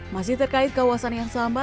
masih terkait kawasan yang sama